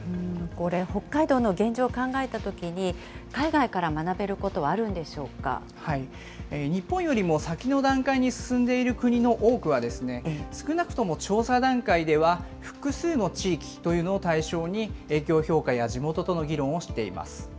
これ、北海道の現状を考えたときに、海外から学べることはあ日本よりも先の段階に進んでいる国の多くは、少なくとも調査段階では、複数の地域というのを対象に、影響評価や地元との議論をしています。